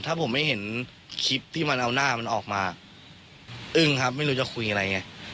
ถ้าผมไม่เห็นคลิปที่มันเอาหน้ามันออกมาอึ้งครับไม่รู้จะคุยอะไรไง